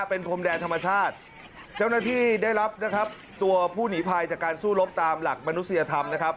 เป็นพรมแดนธรรมชาติเจ้าหน้าที่ได้รับนะครับตัวผู้หนีภัยจากการสู้รบตามหลักมนุษยธรรมนะครับ